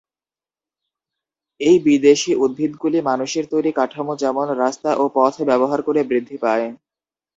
এই বিদেশী উদ্ভিদগুলি মানুষের তৈরি কাঠামো যেমন রাস্তা ও পথ ব্যবহার করে বৃদ্ধি পায়।